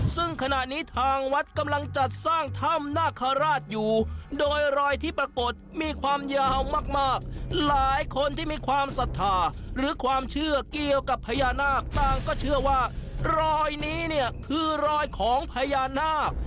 ซึ่งขณะนี้ทางวัดกำลังจัดสร้างถ้ำนาคาราชอยู่โดยรอยที่ปรากฏมีความยาวมากหลายคนที่มีความศรัทธาหรือความเชื่อเกี่ยวกับพญานาคต่างก็เชื่อว่ารอยนี้เนี่ยคือรอยของพญานาค